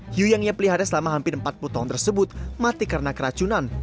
hiu yang ia pelihara selama hampir empat puluh tahun tersebut mati karena keracunan